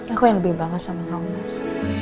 aku yang lebih bangga sama kamu mas